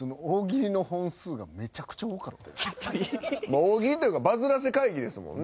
大喜利というかバズらせ会議ですもんね？